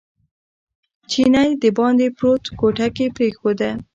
چینی دباندې پرېوت کوټه یې پرېښوده.